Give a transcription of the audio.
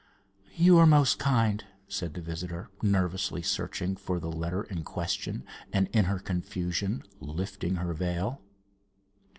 "You are most kind," said the visitor, nervously searching for the letter in question, and in her confusion lifting her veil.